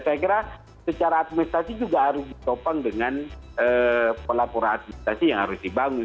saya kira secara administrasi juga harus ditopang dengan pelaporan administrasi yang harus dibangun